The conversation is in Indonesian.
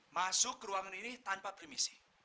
masuk ke ruangan ini tanpa premisi